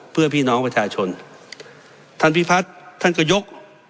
เพื่อพี่น้องประชาชนท่านพิพัฒน์ท่านก็ยก